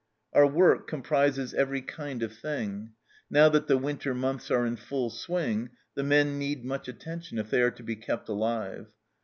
" Our work comprises every kind of thing. Now that the winter months are in full swing the men need much attention if they are to be kept alive.